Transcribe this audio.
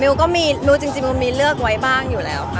มิลก็มีมิลจริงมีเลือกไว้บ้างอยู่แล้วค่ะ